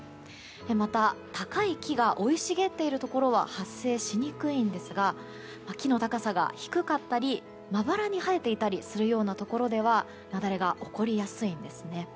また、高い木が生い茂っているところは発生しにくいんですが木の高さが低かったりまばらに生えていたりするところでは雪崩が起こりやすいんですね。